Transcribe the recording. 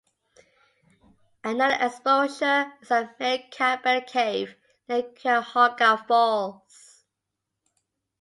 Another exposure is at Mary Campbell Cave near Cuyahoga Falls.